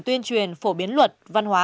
tuyên truyền phổ biến luật văn hóa